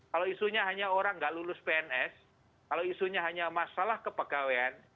kalau isunya hanya orang nggak lulus pns kalau isunya hanya masalah kepegawaian